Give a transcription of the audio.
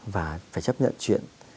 và phải chấp nhận chuyện